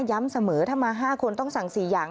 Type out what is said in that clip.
ย้ำเสมอถ้ามา๕คนต้องสั่ง๔อย่าง